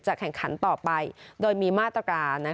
แข่งขันต่อไปโดยมีมาตรการ